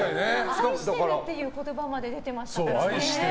愛してるって言葉まで出てましたからね。